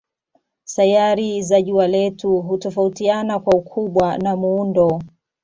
Sayari za jua letu hutofautiana kwa ukubwa na muundo.